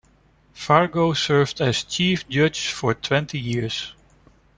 Fargo served as chief judge for twenty years.